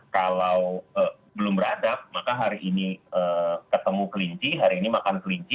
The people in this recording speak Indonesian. kalau belum beradab maka hari ini ketemu kelinci hari ini makan kelinci